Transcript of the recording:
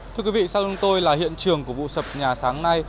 thưa quý vị sau lưng tôi là hiện trường của vụ sập nhà sáng nay